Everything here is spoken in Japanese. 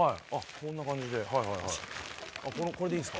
こんな感じで。